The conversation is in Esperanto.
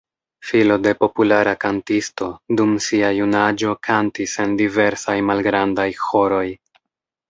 Filo de populara kantisto, dum sia junaĝo kantis en diversaj malgrandaj ĥoroj.